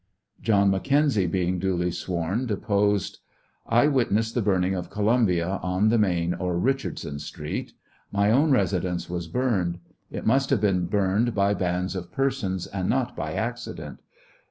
John McKenzie being duly sworn, deposed : I witnessed the burning of Columbia, on the main or Richardson Street. Mj' own residence was burned. It must have been burned by bands of persons, and not by accident.